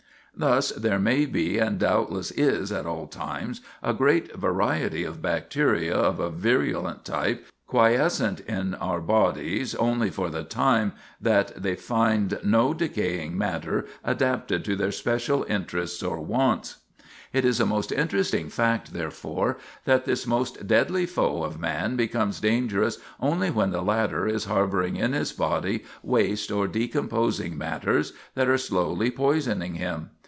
Thus, there may be and doubtless is at all times a great variety of bacteria of a virulent type, quiescent in our bodies only for the time that they find no decaying matter adapted to their special tastes or wants. It is a most interesting fact, therefore, that this most deadly foe of man becomes dangerous only when the latter is harboring in his body waste or decomposing matters that are slowly poisoning him.